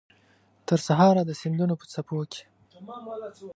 ترسهاره د سیندونو په څپو کې